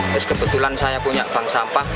terus kebetulan saya punya bank sampah